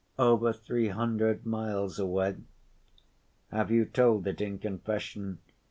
"Over three hundred miles away." "Have you told it in confession?"